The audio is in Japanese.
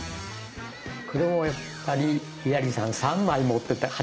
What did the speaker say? これもやっぱり優良梨さん「８」３枚持ってたからね。